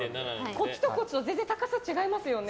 こっちとこっちの高さ全然違いますよね。